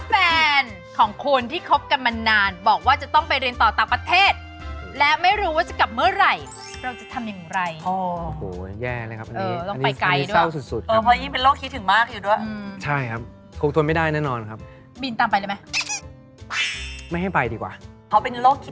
แทนของคนที่คบกันมานานบอกว่าจะต้องไปเรียนต่อต่างประเทศและไม่รู้ว่าจะกลับเมื่อไหร่เราจะทำอย่างไรอ๋อโอ้โหแย่เลยครับอันนี้เออต้องไปไกลด้วยอันนี้เศร้าสุดสุดครับเออพอที่นี่เป็นโลกคิดถึงมากอยู่ด้วยอืมใช่ครับทดทนไม่ได้แน่นอนครับบินตามไปเลยไหมไม่ให้ไปดีกว่าเขาเป็นโลกคิด